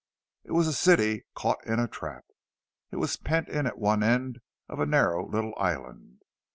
It was a city caught in a trap. It was pent in at one end of a narrow little island.